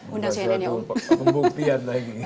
bukan suatu pembuktian lagi